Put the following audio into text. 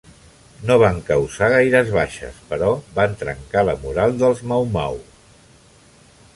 No van causar gaires baixes però van trencar la moral del Mau-Mau.